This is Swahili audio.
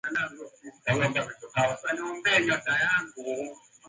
unajaribu kufanya nini